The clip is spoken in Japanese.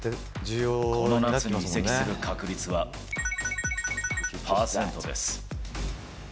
この夏に移籍する確率は×××％です。